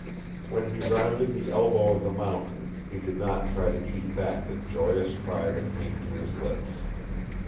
When he rounded the elbow of the mountain, he did not try to keep back the joyous cry that came to his lips.